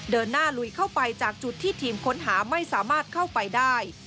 เดินหน้าลุยเข้าไปจากจุดที่ทีมค้นหาไม่สามารถเข้าไปได้